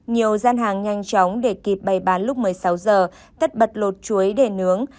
nhiều gian hàng nhanh chóng để kịp bày bán lúc một mươi sáu giờ tất bật lột chuối để nướng